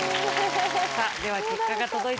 さあでは結果が届いています。